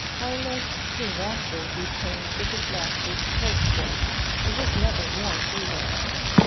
Carlos soon after returned with his master to Portugal, and was never more heard of.